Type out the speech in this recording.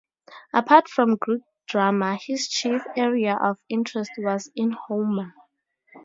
Apart from Greek drama, his chief area of interest was in Homer.